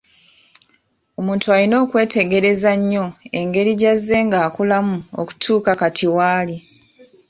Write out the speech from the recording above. Omuntu alina okwetegereza nnyo engeri gy'azze ng'akulamu okutuuka kati waali.